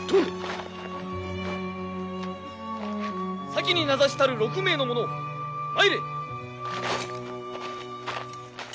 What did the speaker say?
先に名指したる６名の者参れ！